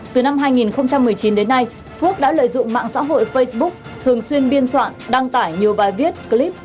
từ năm hai nghìn một mươi chín đến nay phước đã lợi dụng mạng xã hội facebook thường xuyên biên soạn đăng tải nhiều bài viết clip